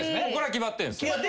これは決まってんす。